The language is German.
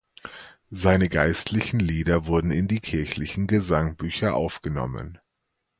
Seine geistlichen Lieder wurden in die kirchlichen Gesangbücher aufgenommen.